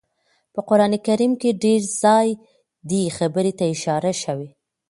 په قران کريم کي ډير ځايه دې خبرې ته اشاره شوي